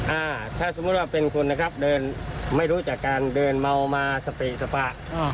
อ่าถ้าสมมุติว่าเป็นคนนะครับเดินไม่รู้จากการเดินเมามาสติสปะ